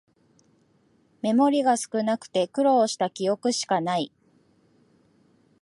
メモリが少なくて苦労した記憶しかない